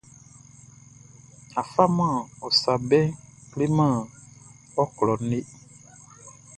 A faman ɔ sa bɛʼn kleman ɔ klɔʼn le.